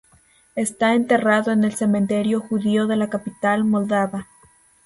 Está enterrado en el cementerio judío de la capital moldava.